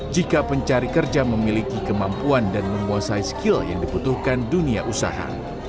jika pencari kerja memiliki kemampuan dan menguasai skill yang dibutuhkan dunia usaha